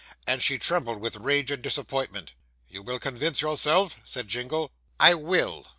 and she trembled with rage and disappointment. 'You will convince yourself?' said Jingle. 'I will.